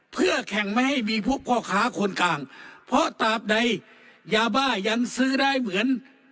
เพื่อแข่งไม่ให้มีพวกพ่อค้าคนกลางเพราะตามใดยาบ้ายังซื้อได้เหมือน